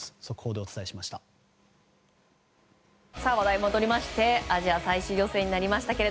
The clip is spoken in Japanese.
速報でお伝えしました。